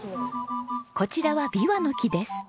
こちらはビワの木です。